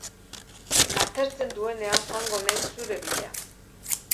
Atertzen duenean joango naiz zure bila.